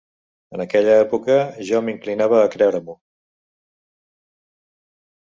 En aquella època jo m'inclinava a creure-m'ho